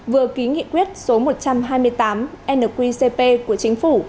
vừa ký nghị quyết số một trăm hai mươi tám nqcp của chính phủ